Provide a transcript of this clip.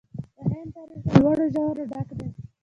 د هند تاریخ له لوړو او ژورو ډک دی.